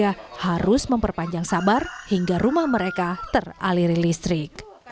warga harus memperpanjang sabar hingga rumah mereka teraliri listrik